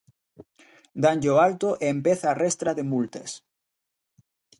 Danlle o alto e empeza a restra de multas.